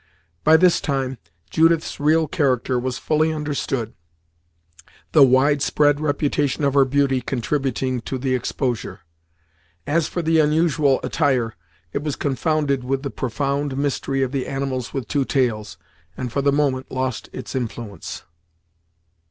By this time, Judith's real character was fully understood, the wide spread reputation of her beauty contributing to the exposure. As for the unusual attire, it was confounded with the profound mystery of the animals with two tails, and for the moment lost its influence.